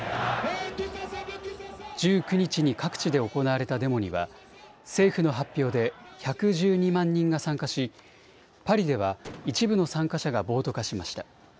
１９日に各地で行われたデモには政府の発表で１１２万人が参加しパリでは一部の参加者が暴徒化しました。